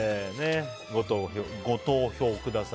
ご投票ください。